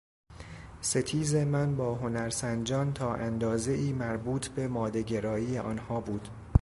ستیز من با هنرسنجان تا اندازهای مربوط به مادهگرایی آنها بود.